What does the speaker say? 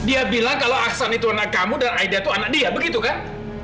dia bilang kalau ahsan itu anak kamu dan aida itu anak dia begitu kan